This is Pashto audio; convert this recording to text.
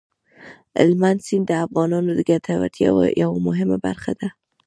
هلمند سیند د افغانانو د ګټورتیا یوه مهمه برخه ده.